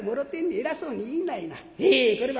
偉そうに言いないな。